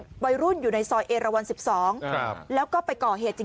กลุ่มหนึ่งก็คือ